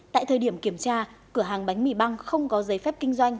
tại thời điểm kiểm tra cửa hàng bánh mì băng không có giấy phép kinh doanh